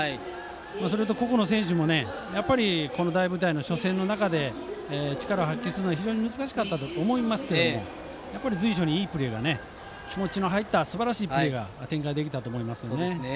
それと、個々の選手もこの大舞台の初戦で力を発揮するのは非常に難しかったと思いますが随所に、いいプレーや気持ちの入ったすばらしいプレーが展開できたと思います。